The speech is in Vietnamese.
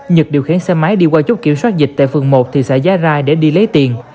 nhật điều khiển xe máy đi qua chốt kiểm soát dịch tại phường một thị xã giá rai để đi lấy tiền